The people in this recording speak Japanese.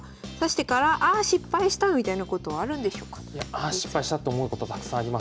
「ああ失敗した」と思うことたくさんありますね。